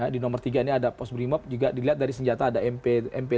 di nomor tiga ini ada pos brimob juga dilihat dari senjata ada mp tiga